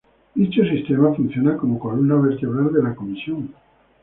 Dicho sistema funciona como columna vertebral de la comisión.